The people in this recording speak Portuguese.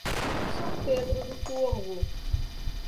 São Pedro do Turvo